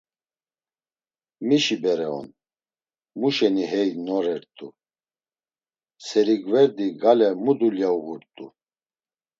Mişi bere on, mu şeni hey norert̆u, serigverdi gale mu dulya uğurt̆u?